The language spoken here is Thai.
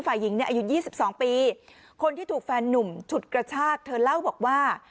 ฝ่ายหญิงเนี่ยอายุ๒๒ปีคนที่ถูกแฟนนุ่มฉุดกระชากเธอเล่าบอกว่า